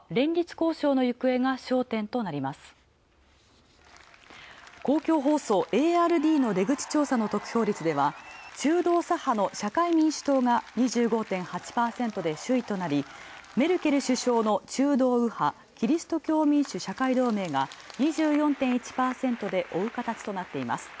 公共放送ＡＲＤの出口調査の得票率では、中道左派の社会民主党が２５．８％で首位となり、メルケル首相の中道左派、キリスト教民主・社会同盟が２４．１％で追う形となっています。